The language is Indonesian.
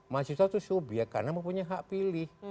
mahasiswa itu subyek karena mempunyai hak pilih